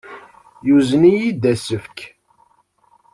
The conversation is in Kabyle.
Yuzen-iyi-d asefk.